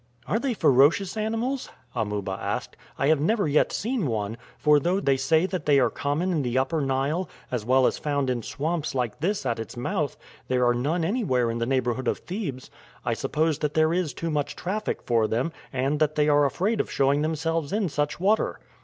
"Are they ferocious animals?" Amuba asked. "I have never yet seen one; for though they say that they are common in the Upper Nile, as well as found in swamps like this at its mouth, there are none anywhere in the neighborhood of Thebes. I suppose that there is too much traffic for them, and that they are afraid of showing themselves in such water."